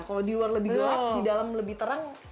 kalau di luar lebih gelap di dalam lebih terang